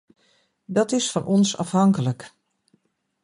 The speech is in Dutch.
Dat is van ons afhankelijk.